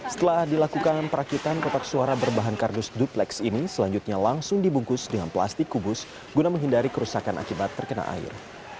setelah dilakukan perakitan kotak suara berbahan kardus duplex ini selanjutnya langsung dibungkus dengan plastik kubus guna menghindari kerusakan akibat terkena air